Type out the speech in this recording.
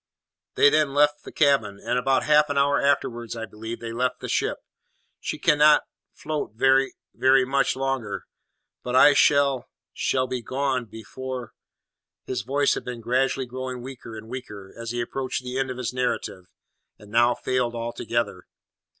They then left the cabin; and, about half an hour afterwards, I believe, they left the ship. She cannot float ver very much longer; but I shall shall be gone before " His voice had been gradually growing weaker and weaker as he approached the end of his narrative, and now failed altogether.